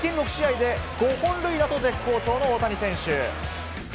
直近６試合で５本塁打と絶好調の大谷選手。